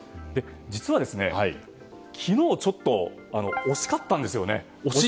実は、昨日ちょっと惜しかったんですよね。